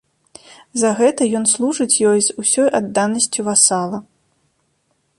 За гэта ён служыць ёй з усёй адданасцю васала.